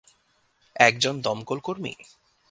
একজন দমকল কর্মী?